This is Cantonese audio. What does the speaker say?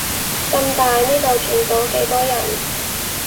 咁大，呢度住到幾多人